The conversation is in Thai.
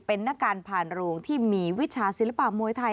เป็นนักการผ่านโรงที่มีวิชาศิลปะมวยไทย